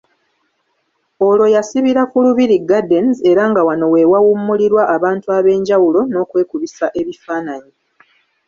Olwo yasibira ku Lubiri gardens era nga wano we wawummulirwa abantu ab'enjawulo n'okwekubisa ebifaananyi.